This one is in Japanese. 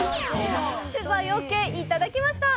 取材ＯＫ、いただきました！